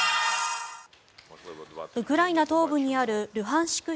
ウクライナ東部にあるルハンシク